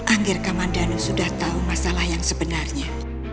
anggir kamandano sudah tahu masalah yang sebenarnya